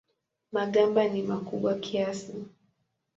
Magamba ni makubwa kiasi.